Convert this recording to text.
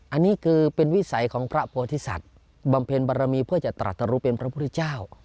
อันนี้คือเป็นวิสัยของพระโพธิสัตว์บำเพ็ญบารมีเพื่อจะตรัสรุเป็นพระพุทธเจ้า